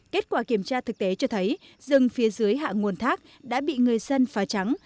kết quả kiểm tra thực tế cho thấy rừng phía dưới hạ nguồn thác đã bị người dân phá trắng